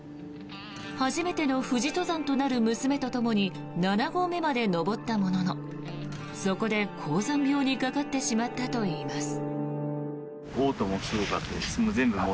初めての富士登山となる娘とともに七合目まで登ったもののそこで高山病にかかってしまったといいます。